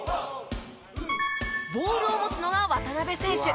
ボールを持つのが渡邊選手。